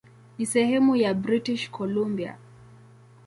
Ni sehemu ya British Columbia.